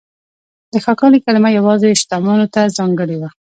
د "ښاغلی" کلمه یوازې شتمنو ته ځانګړې وه.